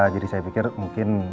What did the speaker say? jadi saya pikir mungkin